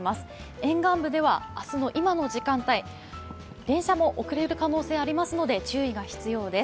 沿岸部では明日の今の時間帯電車も遅れる可能性がありますので、注意が必要です。